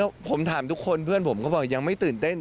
แล้วผมถามทุกคนเพื่อนผมก็บอกยังไม่ตื่นเต้น